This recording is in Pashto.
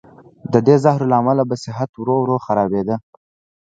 د دې زهرو له امله به صحت ورو ورو خرابېده.